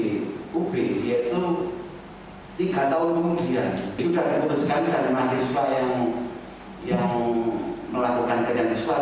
sudah diutuskan dari mahasiswa yang melakukan kejadian seksual